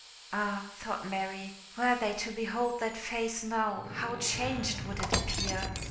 "Ah!" thought Mary, "were they to behold that face now, how changed would it appear!"